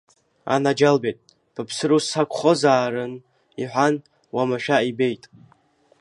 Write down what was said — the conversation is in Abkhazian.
Анаџьалбеит, быԥсыр ус сақәхозаарын, — иҳәан, уамашәа ибеит.